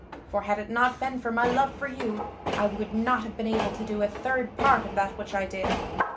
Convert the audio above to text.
For had it not been for my love for you, I would not have been able to do a third part of that which I did.